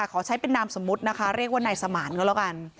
ขอใช้เป็นนามสมมุตินะคะเรียกว่านายสมานก็แล้วกัน